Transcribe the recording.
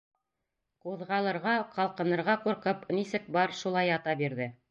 Ҡуҙғалырға, ҡалҡынырға ҡурҡып, нисек бар, шулай ята бирҙе.